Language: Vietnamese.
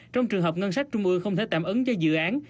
trong trường hợp ngân sách trung ương không thể tạm ứng cho dự án